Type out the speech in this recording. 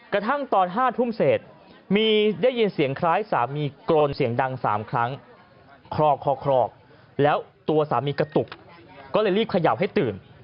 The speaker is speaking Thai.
กระทั่งตอน๕ทุ่มเสร็จมีได้ยินเสียงคล้ายสามีโกนเสียงดัง๓ครั้งคลอกแล้วตัวสามีกระตุกก็เลยรีบเขย่าให้ตื่น